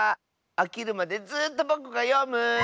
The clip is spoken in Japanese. あきるまでずっとぼくがよむ。